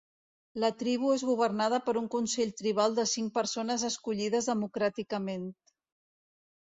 La tribu és governada per un consell tribal de cinc persones escollides democràticament.